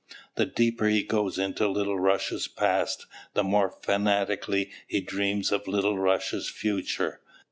The deeper he goes into Little Russia's past the more fanatically he dreams of Little Russia's future.